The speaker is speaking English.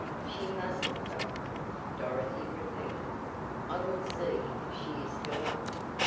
"She must not go home," Dorothy repeated. "I will see if she is still up."